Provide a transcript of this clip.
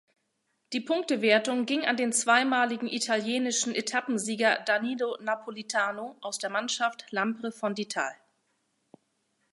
Die Punktewertung ging an den zweimaligen italienischen Etappensieger Danilo Napolitano aus der Mannschaft Lampre-Fondital.